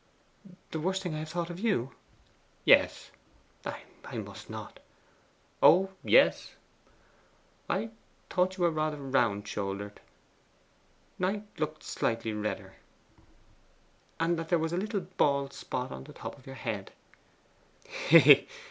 'The worst thing I have thought of you?' 'Yes.' 'I must not.' 'Oh yes.' 'I thought you were rather round shouldered.' Knight looked slightly redder. 'And that there was a little bald spot on the top of your head.